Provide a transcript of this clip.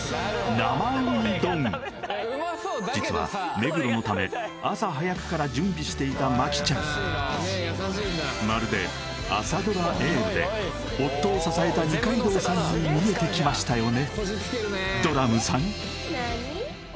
生ウニ丼実は目黒のためしていた牧ちゃんまるで朝ドラ「エール」で夫を支えた二階堂さんに見えてきましたよね